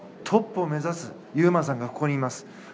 トップを目指す優真さんがここにいます。